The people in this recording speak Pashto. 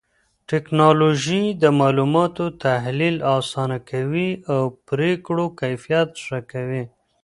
ټکنالوژي د معلوماتو تحليل آسانه کوي او پرېکړو کيفيت ښه کوي.